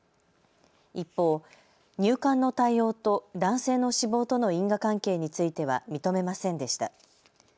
一方、入管の対応と男性の死亡との因果関係については認めませんでした。